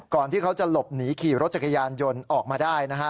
ที่เขาจะหลบหนีขี่รถจักรยานยนต์ออกมาได้นะฮะ